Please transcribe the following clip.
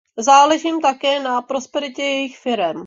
Záleží jim také na prosperitě jejich firem.